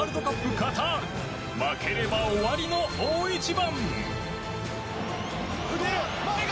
カタール負ければ終わりの大一番。